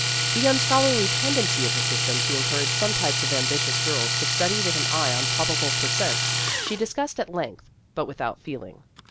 The unscholarly tendency of the system to encourage some types of ambitious girls to study with an eye on probable per cents, she discussed at length but without feeling.